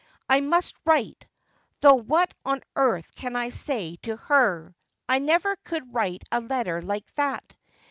I must write : though what on earth can I say to her ? I never could write a letter like that.